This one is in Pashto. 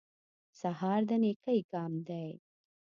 سهار د نېکۍ ګام دی.